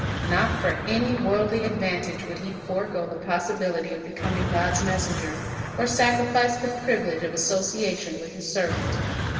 Not for any worldly advantage would he forego the possibility of becoming God's messenger, or sacrifice the privilege of association with His servant.